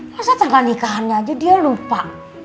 masa tanggal nikahannya aja dia lupa